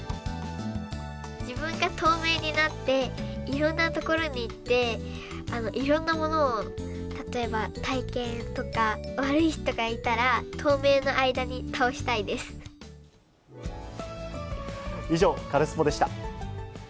自分が透明になって、いろんな所に行って、いろんなものを、例えば体験とか、悪い人がいたら、以上、カルスポっ！でした。